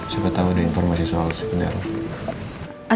siapa tau ada informasi soal si kendaraan